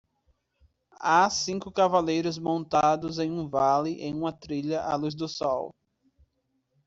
Há cinco cavaleiros montados em um vale em uma trilha à luz do sol